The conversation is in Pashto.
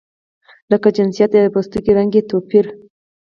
لکه جنسیت یا د پوستکي رنګ کې توپیر.